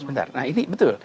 sebentar nah ini betul